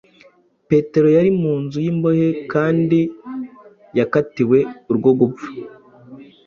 Petero yari mu nzu y’imbohe kandi yakatiwe urwo gupfa,